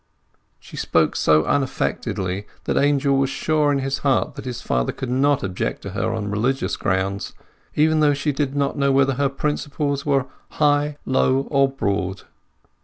She spoke so unaffectedly that Angel was sure in his heart that his father could not object to her on religious grounds, even though she did not know whether her principles were High, Low or Broad.